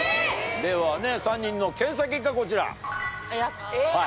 では３人の検査結果こちら。